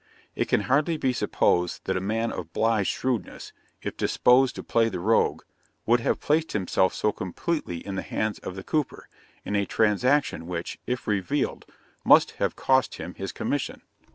It can hardly be supposed that a man of Bligh's shrewdness, if disposed to play the rogue, would have placed himself so completely in the hands of the cooper, in a transaction which, if revealed, must have cost him his commission.